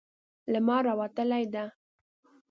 لمر راوتلی ده